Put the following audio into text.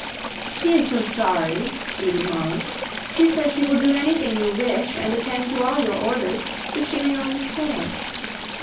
"She is so sorry," pleaded Molly; "she says she will do anything you wish, and attend to all your orders, if she may only stay."